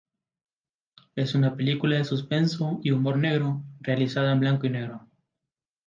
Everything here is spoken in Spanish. Es una película de suspenso y humor negro, realizada en blanco y negro.